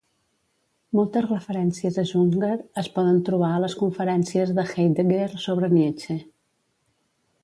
Moltes referències a Jünger es poden trobar a les conferències de Heidegger sobre Nietzsche.